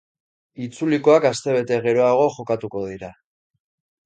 Itzulikoak astebete geroago jokatuko dira.